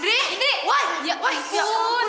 ndri ndri woy ya ampun